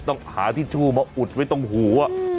ต้องหาทิชชู่มาอุดไว้ตรงหู